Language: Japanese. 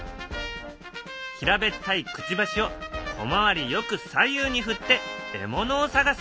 平べったいくちばしを小回りよく左右に振って獲物を探す。